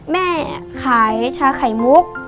แม่ขายชาไข่มุก